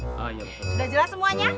sudah jelas semuanya